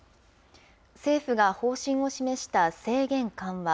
政府が方針を示した制限緩和。